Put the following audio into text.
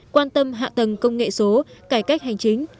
quan tâm hạ tầng công nghệ số cải cách hành chính